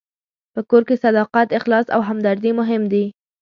په کور کې صداقت، اخلاص او همدردي مهم دي.